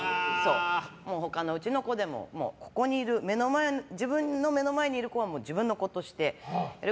他のうちの子でもここにいる自分の目の前にいる子は自分の子として。